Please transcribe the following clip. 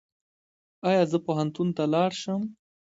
ایا زه پوهنتون ته لاړ شم؟